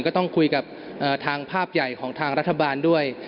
ก็ต้องคุยกับทางภาพใหญ่ของทางรัฐบาลด้วย